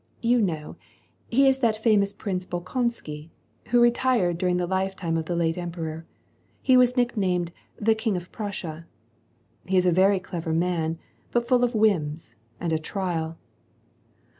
You know, he is that famous Prince Bolkonsky, wh retired during the lifetime of the late Emperor. He w nicknamed * The King of Prussia.' He is a very clevef m but full of whims, and a trial.